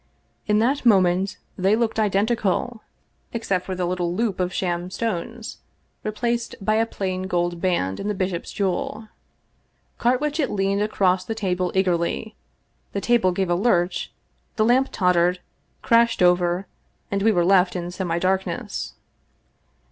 In that moment they looked identical, except for the little 285 English Mystery Stories loop of sham stones, replaced by a plain gold band in the bishop's jewel. Carwitchet leaned across the table eagerly, the table gave a lurch, the lamp tottered, crashed over, and we were left in semidarkness.